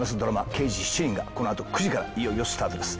『刑事７人』がこのあと９時からいよいよスタートです。